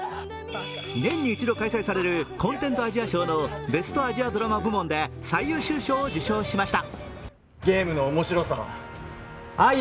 年に一度開催されるコンテントアジア賞のベストアジアドラマ部門で最優秀賞を受賞しました。